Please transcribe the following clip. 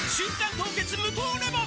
凍結無糖レモン」